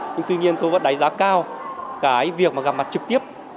nhưng tuy nhiên tôi vẫn đánh giá cao cái việc mà gặp mặt trực tiếp